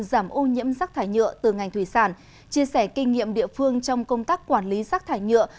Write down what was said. giảm ô nhiễm rác thải nhựa từ ngành thủy sản chia sẻ kinh nghiệm địa phương trong công tác quản lý rác thải nhựa